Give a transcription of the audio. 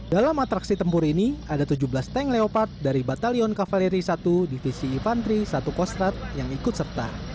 dalam atraksi tempur ini ada tujuh belas tank leopard dari batalion kavaleri satu divisi infantri satu kostrat yang ikut serta